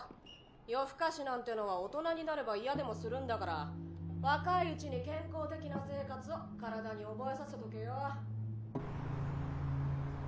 夜更かしなんてのは大人になれば嫌でもするんだから若いうちに健康的な生活を体に覚えさせとけよ。